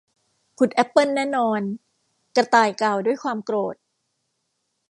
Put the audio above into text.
ขุดแอปเปิลแน่นอน กระต่ายกล่าวด้วยความโกรธ